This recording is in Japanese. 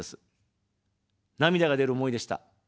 涙が出る思いでした。